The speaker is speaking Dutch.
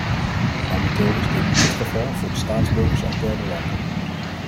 Momenteel is dit niet het geval voor de staatsburgers uit derde landen.